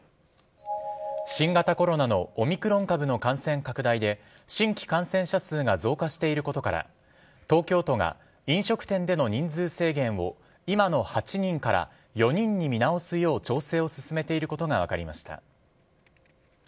新型コロナのオミクロン株の感染拡大で新規感染者数が増加していることから東京都が飲食店での人数制限を今の８人から４人に見直すよう調整を進めていることが分かりました。